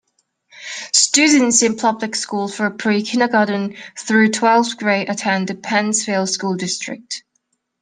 Students in public school for pre-kindergarten through twelfth grade attend the Pennsville School District.